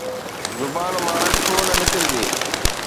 زبان مان ڇو نه نڪرجي؟